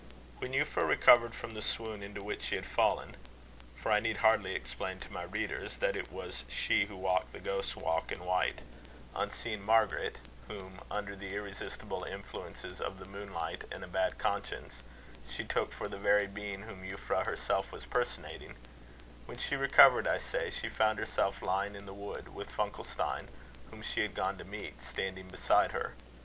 When Euphra recovered from the swoon into which she had fallen for I need hardly explain to my readers, that it was she who walked the Ghost's Walk in white on seeing Margaret, whom, under the irresistible influences of the moonlight and a bad conscience, she took for the very being whom Euphra herself was personating when she recovered, I say, she found herself lying in the wood, with Funkelstein, whom she had gone to meet, standing beside her.